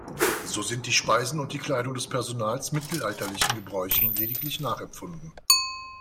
So sind die Speisen und die Kleidung des Personals mittelalterlichen Gebräuchen lediglich nachempfunden.